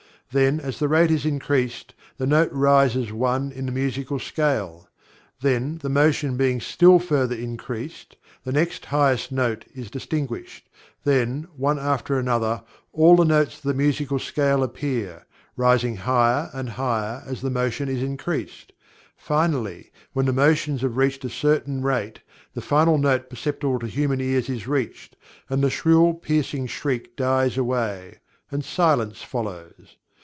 Then as the rate is increased the note rises one in the musical scale. Then, the motion being still further increased, the next highest note is distinguished. Then, one after another, all the notes of the musical scale appear, rising higher and higher as the motion is increased. Finally when the motions have reached a certain rate the final note perceptible to human ears is reached and the shrill, piercing shriek dies away, and silence follows.